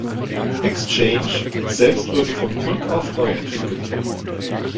Exchange selbst wurde von Grund auf neu entwickelt.